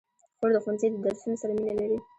خور د ښوونځي د درسونو سره مینه لري.